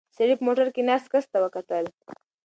سړي په موټر کې ناست کس ته وکتل.